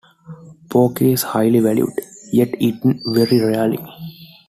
Pork is highly valued, yet eaten very rarely.